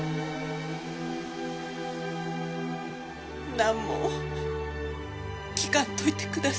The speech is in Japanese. なんも聞かんといてください